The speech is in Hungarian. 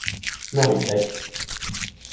Na mindegy.